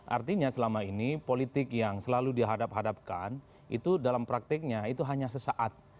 artinya selama ini politik yang selalu dihadap hadapkan itu dalam praktiknya itu hanya sesaat